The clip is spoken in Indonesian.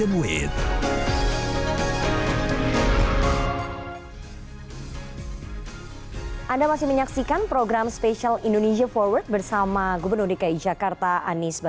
anda masih menyaksikan program spesial indonesia forward bersama gubernur dki jakarta anies baswedan